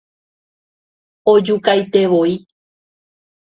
Ojukaitevoi.